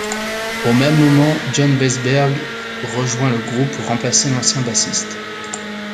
Au même moment, Jon Weisberg rejoint le groupe pour remplacer l'ancien bassiste.